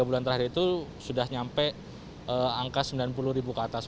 tiga bulan terakhir itu sudah nyampe angka sembilan puluh ribu ke atas